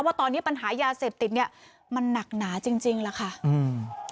ว่าตอนนี้ปัญหายาเสพติดเนี้ยมันหนักหนาจริงจริงล่ะค่ะอืม